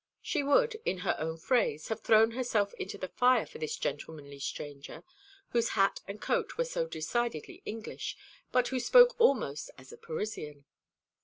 She would, in her own phrase, have thrown herself into the fire for this gentlemanly stranger, whose hat and coat were so decidedly English, but who spoke almost as a Parisian.